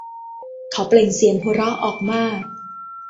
เขาเปล่งเสียงหัวเราะออกมาก